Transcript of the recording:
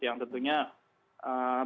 yang tentunya berhasil